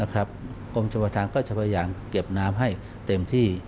กรมชมประธานก็จะพยายามเก็บน้ำให้เต็มที่